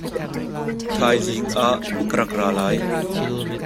Thaizing ah ka rak ra lai.